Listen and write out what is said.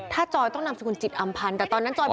ถ้าจอยต้องนามสกุลจิตอำพันธ์แต่ตอนนั้นจอยบอก